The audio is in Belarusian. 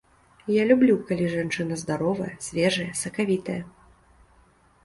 Я люблю, калі жанчына здаровая, свежая, сакавітая.